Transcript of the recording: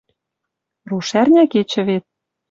Рушӓрня кечӹ вет